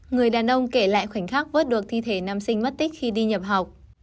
người đàn ông kể lại khoảnh khắc vớt được thi thể nam sinh mất tích khi đi nhập học